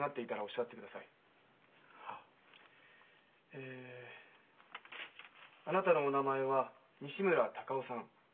えあなたのお名前は西村鷹男さん。